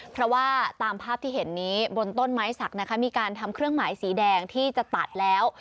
เพราะว่าตามภาพที่เห็นนี้บนต้นไม้สักนะคะมีการทำเครื่องหมายสีแดงที่จะตัดแล้ว